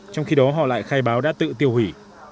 trong khi đó họ lại khai báo đã tự tiêu hủy